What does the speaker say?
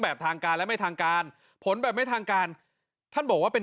ทางการและไม่ทางการผลแบบไม่ทางการท่านบอกว่าเป็น